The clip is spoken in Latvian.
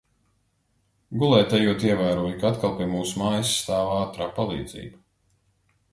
Gulēt ejot, ievēroju, ka atkal pie mūsu mājās stāv ātrā palīdzība.